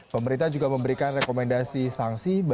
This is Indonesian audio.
pemerintah juga memberikan rekomendasi sanksi